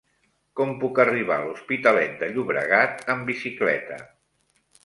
Com puc arribar a l'Hospitalet de Llobregat amb bicicleta?